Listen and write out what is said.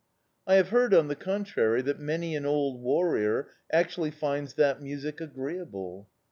"I have heard, on the contrary, that many an old warrior actually finds that music agreeable."